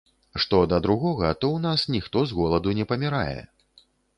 Што да другога, то ў нас ніхто з голаду не памірае!